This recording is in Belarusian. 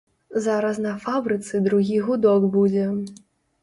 Зараз на фабрыцы другі гудок будзе.